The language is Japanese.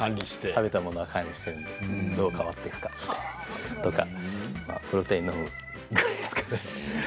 食べたものは管理しているのでどう変わっていくかとか、プロテイン飲むくらいですかね。